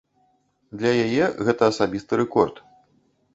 Для яе гэта асабісты рэкорд.